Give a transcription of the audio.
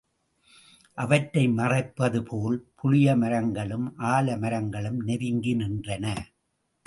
அவற்றை மறைப்பதுபோல், புளியமரங்களும், ஆல மரங்களும் நெருங்கி நின்றன.